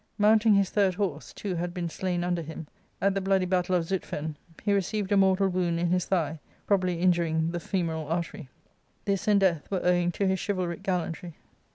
Mounting his third horse (two had been slain under him) at the bloody battle of ^utphen, he received a mortal wound fn his thigh, probably injuring the fe Y moral artery. This, and death, were owing to his chivalric gallantry.